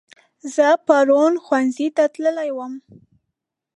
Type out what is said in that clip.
زه پرون ښوونځي ته تللی وم